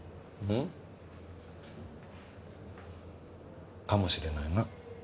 ん？かもしれないな。